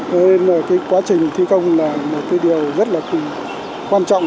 nên quá trình thi công là một điều rất là quan trọng